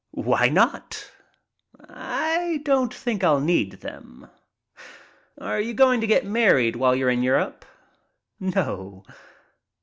"Why not?" "I don't think I'll need them." "Are you going to get married while you are in Europe?" "No."